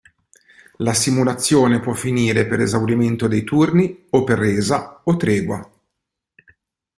La simulazione può finire per esaurimento dei turni o per resa o tregua.